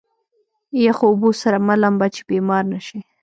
يخو اوبو سره مه لامبه چې بيمار نه شې.